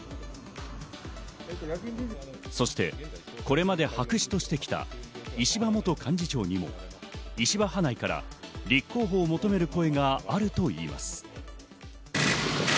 そして、これまで白紙としてきた石破元幹事長にも石破派内から立候補を求める声があるといいます。